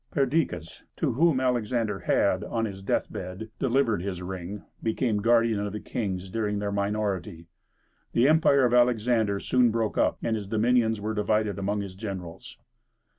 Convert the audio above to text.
Perdiccas, to whom Alexander had, on his death bed, delivered his ring, became guardian of the kings during their minority. The empire of Alexander soon broke up, and his dominions were divided among his generals.